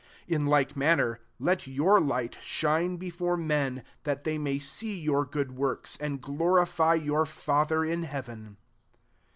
16 In like manner let your light shine before men, that they may see your good works, and glori fy your Father in heaven.